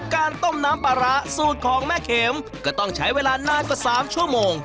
การต้มน้ำปลาร้าสูตรของแม่เข็มก็ต้องใช้เวลานานกว่า๓ชั่วโมง